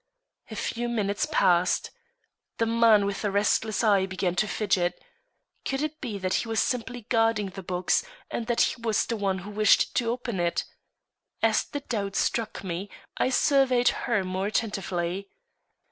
A few minutes passed. The man with the restless eye began to fidget. Could it be that she was simply guarding the box, and that he was the one who wished to open it? As the doubt struck me, I surveyed her more attentively.